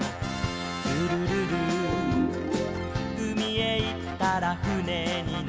「ルルルル」「うみへいったらふねにのろうよ」